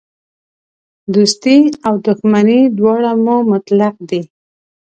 دوستي او دښمني دواړه مو مطلق دي.